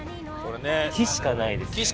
木しかないですね。